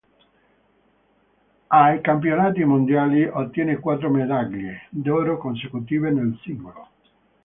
Ai campionati mondiali ottenne quattro medaglie d'oro consecutive nel singolo.